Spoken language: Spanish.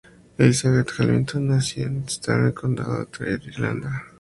Elizabeth Hamilton nació en Strabane, Condado de Tyrone, Irlanda.